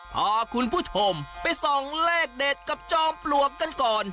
พาคุณผู้ชมไปส่องเลขเด็ดกับจอมปลวกกันก่อน